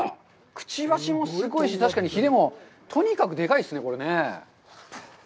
くちばしもすごいし、確かにひれも、とにかくでかいですね、これね。